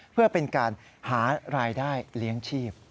เพื่อเป็นการหารายได้เลี้ยงชีพ